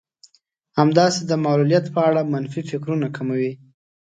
همداسې د معلوليت په اړه منفي فکرونه کموي.